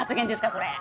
それ。